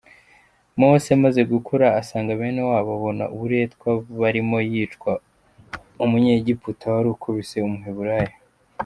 Mose amaze gukura asanga bene wabo, abona uburetwa barimo, yica umunyegiputa warukubise umuheburayo.